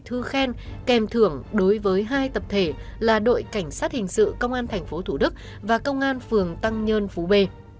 thư khen kèm thưởng đối với hai tập thể là đội cảnh sát hình sự công an tp thủ đức và công an phường tăng nhân phú b